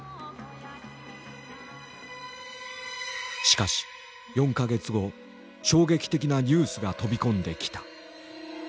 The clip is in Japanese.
しかし４か月後衝撃的なニュースが飛び込んできた。